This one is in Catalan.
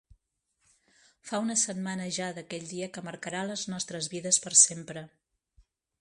Fa una setmana ja d’aquell dia que marcarà les nostres vides per sempre.